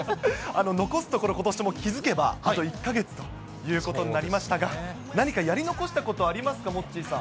残すところ、ことしも気付けばあと１か月ということになりましたが、何かやり残したことありますか、モッチーさん。